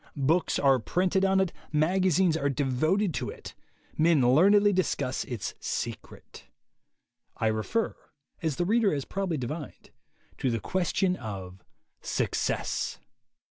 Books are printed on it; magazines are devoted to it; men learnedly discuss its "secret." I refer, as the reader has probably divined, to the question of Success.